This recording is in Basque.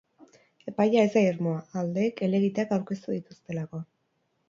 Epaia ez da irmoa, aldeek helegiteak aurkeztu dituztelako.